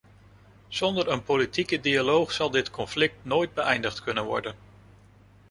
Zonder een politieke dialoog zal dit conflict nooit beëindigd kunnen worden.